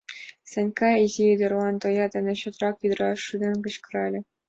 Санька изи ӱдырлан тоя дене чотрак удыраш шӱден кычкырале.